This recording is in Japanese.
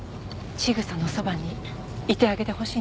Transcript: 千草のそばにいてあげてほしいんです。